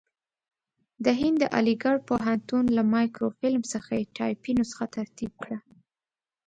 د هند د علیګړ پوهنتون له مایکروفیلم څخه یې ټایپي نسخه ترتیب کړه.